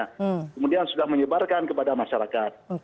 kemudian sudah menyebarkan kepada masyarakat